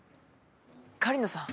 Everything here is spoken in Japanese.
狩野さん！